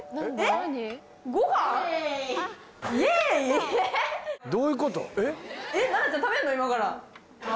そういうこと？